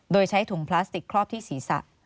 โดยใช้ถุงพลาสติกครอบที่ศีรษะ